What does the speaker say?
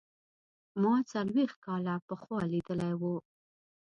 ما څلوېښت کاله پخوا لیدلی و.